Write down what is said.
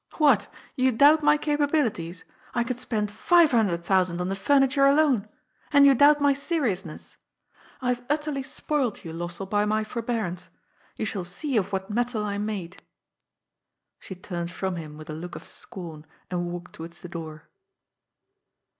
What ! You doubt my capabilities ? I could spend five hundred thousand on the furniture alone ! And you doubt my seriousness ? I have utterly spoilt you, Los sel], by my forbearance. You shall see of what metal I am made." She turned from him with a look of scorn, and walked towards the door.